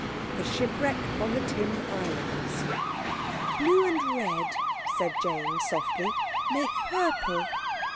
THE SHIPWRECK ON THE TIN ISLANDS "Blue and red," said Jane softly, "make purple."